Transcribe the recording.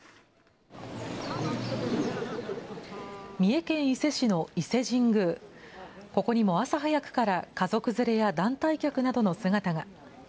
三重県伊勢市の伊勢神宮、ここにも朝早くから家族連れや団体客などの姿が。